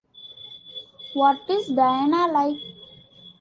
What is Diana like?